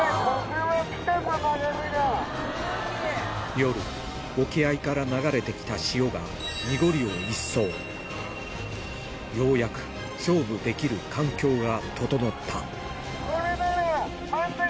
夜沖合から流れてきた潮がようやく勝負できる環境が整った